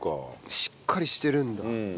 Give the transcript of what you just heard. しっかりしてるんだ。